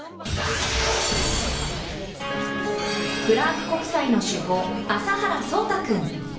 クラーク国際の主砲麻原草太君。